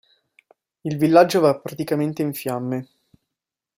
Il villaggio va praticamente in fiamme.